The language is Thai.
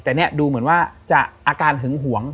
แต่นี่ดูเหมือนว่าจะอาการหึงหวง